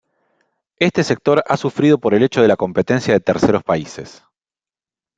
Este sector ha sufrido por el hecho de la competencia de terceros países.